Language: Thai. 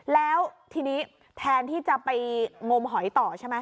แล้วทีนี้แทนที่จะไปงมหอยต่อ